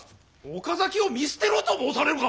岡崎を見捨てろと申されるか！